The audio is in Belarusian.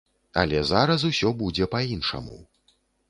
Але зараз усё будзе па-іншаму.